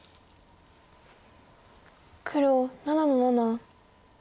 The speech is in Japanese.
黒７の七。